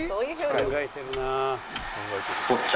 「考えてるな」